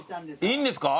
いいんですか？